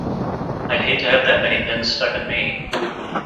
I'd hate to have that many pins stuck in me!